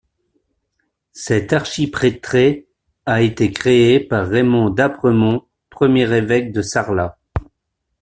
Cet archiprêtré a été créé par Raymond d’Aspremont, premier évêque de Sarlat.